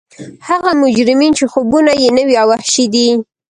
هغه مجرمین چې خوبونه یې نوي او وحشي دي